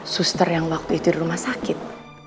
suster yang waktu itu di rumah sakit